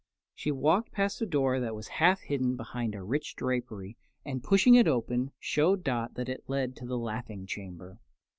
She walked to a door that was half hidden behind a rich drapery, and, pushing it open, showed Dot that it led to the laughing chamber.